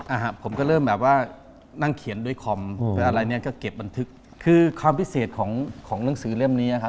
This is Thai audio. อะครับผมก็เริ่มแบบว่านั่งเขียนด้วยคอมอะไรเนี่ยก็เก็บบันทึกคือความพิเศษของเรื่องสื่อเรื่องนี้อะครับ